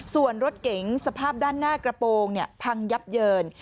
ส่วนรถเก๋งสภาพด้านหน้ากระโปรงพังยับเยิน